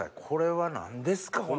これは何ですか？